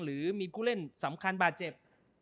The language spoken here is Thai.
หรือมีผู้เล่นสำคัญบาดเจ็บ